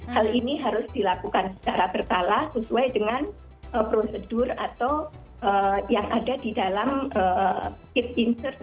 hal ini harus dilakukan secara berkala sesuai dengan prosedur atau yang ada di dalam kit insert